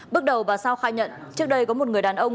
bước đầu bà sao khai nhận trước đây có một người đàn ông